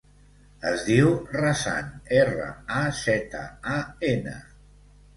Es diu Razan: erra, a, zeta, a, ena.